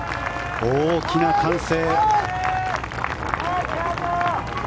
大きな歓声。